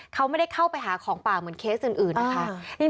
เขาไม่ได้เข้าไปหาของป่าเหมือนเคสอื่นนะคะ